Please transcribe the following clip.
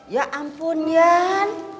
ya ampun yan